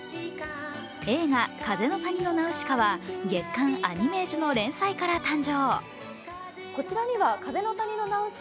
映画「風の谷のナウシカ」は月刊「アニメージュ」の連載から誕生。